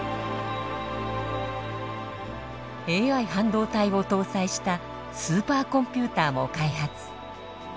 ＡＩ半導体を搭載したスーパーコンピューターも開発。